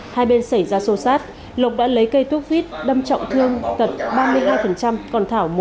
hai bên xảy ra xô xát lộc đã lấy cây thuốc vít đâm trọng thương tật ba mươi hai còn thảo